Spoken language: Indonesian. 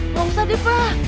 ga usah deh pak